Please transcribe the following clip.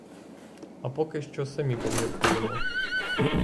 А поки що самі поміркуємо.